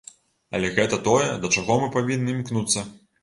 Але гэта тое, да чаго мы павінны імкнуцца.